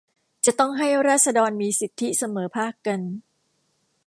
จะต้องให้ราษฎรมีสิทธิเสมอภาคกัน